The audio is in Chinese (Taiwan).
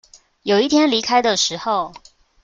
有一天離開的時候